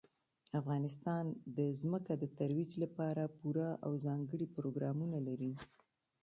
افغانستان د ځمکه د ترویج لپاره پوره او ځانګړي پروګرامونه لري.